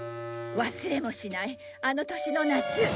忘れもしないあの年の夏。